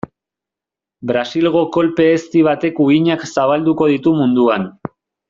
Brasilgo kolpe ezti batek uhinak zabalduko ditu munduan.